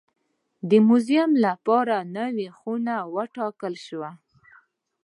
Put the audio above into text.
د موزیم لپاره نوې خونه وټاکل شوه.